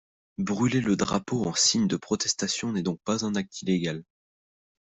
Brûler le drapeau en signe de protestation n'est donc pas un acte illégal.